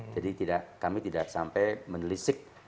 jadi kami tidak sampai menelisik